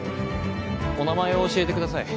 お名前を教えてください。